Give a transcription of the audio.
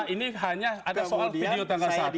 ini hanya ada soal video tanggal satu